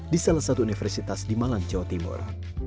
di salah satu universitas di malang jawa timur